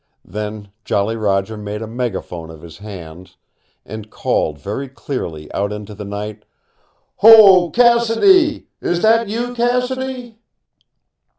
Then Jolly Roger made a megaphone of his hands, and called very clearly out into the night. "Ho, Cassidy! Is that you, Cassidy?"